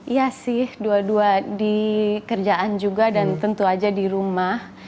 iya sih dua dua di kerjaan juga dan tentu aja di rumah